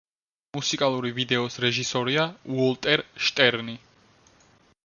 მუსიკალური ვიდეოს რეჟისორია უოლტერ შტერნი.